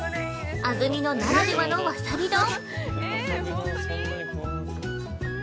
安住のならではのわさび丼。